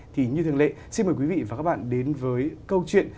thì như thường lệ xin mời quý vị và các bạn đến với câu chuyện